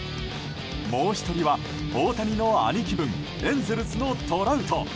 もう１人は大谷の兄貴分エンゼルスのトラウト。